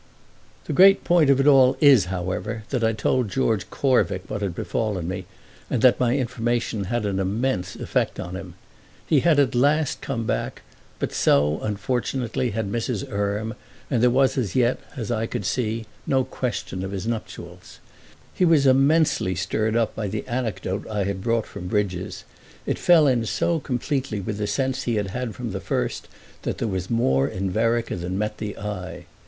The great point of it all is, however, that I told George Corvick what had befallen me and that my information had an immense effect upon him. He had at last come back, but so, unfortunately, had Mrs. Erme, and there was as yet, I could see, no question of his nuptials. He was immensely stirred up by the anecdote I had brought from Bridges; it fell in so completely with the sense he had had from the first that there was more in Vereker than met the eye.